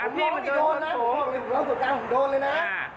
ผมมองที่โดนนะผมมองส่วนกลางผมโดนเลยนะ